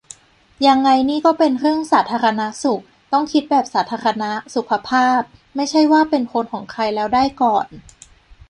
ยังไงนี่ก็เป็นเรื่องสาธารณสุข ต้องคิดแบบสาธารณะ-สุขภาพ ไม่ใช่ว่าเป็นคนของใครแล้วได้ก่อน